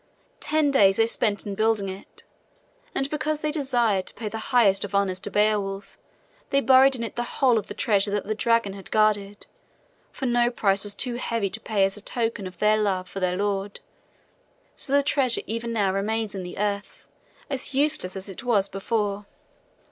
Ten days they spent in building it; and because they desired to pay the highest of honors to Beowulf, they buried in it the whole of the treasure that the dragon had guarded, for no price was too heavy to pay as a token of their love for their lord. So the treasure even now remains in the earth, as useless as it was before.